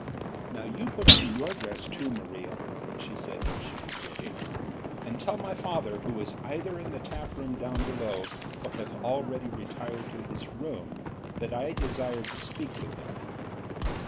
"Now put on your dress too, Maria," she said when she was ready, "and tell my father, who is either in the tap room down below or hath already retired to his room, that I desire to speak with him."